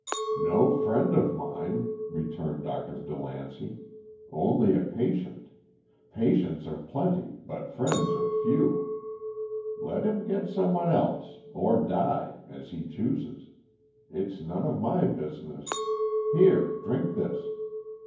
"No friend of mine," returned Dr. DeLancey. "Only a patient. Patients are plenty, but friends are few. Let him get someone else, or die, as he chooses. It's none of my business. Here, drink this."